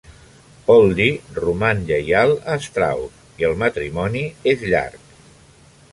Poldi roman lleial a Strauss i el matrimoni és llarg.